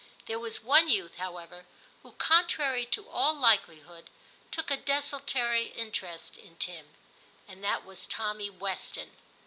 There was one youth, however, who, contrary to all likelihood, took a desultory interest in Tim, and that was Tommy Weston.